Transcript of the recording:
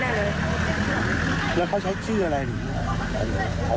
แต่คนที่โอนไปให้น่าสุดเป็น๓๐๐๐บาท